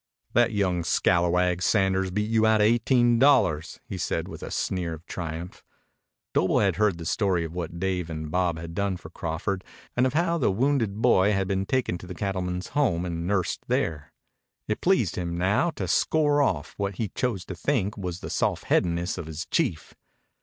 "That young scalawag Sanders beat you outa eighteen dollars," he said with a sneer of triumph. Doble had heard the story of what Dave and Bob had done for Crawford and of how the wounded boy had been taken to the cattleman's home and nursed there. It pleased him now to score off what he chose to think was the soft headedness of his chief.